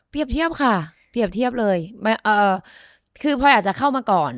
เทียบค่ะเปรียบเทียบเลยคือพลอยอาจจะเข้ามาก่อน